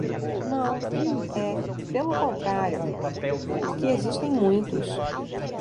Não, é, pelo contrário, porque existem muitos.